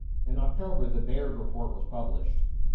In October, the Baird report was published.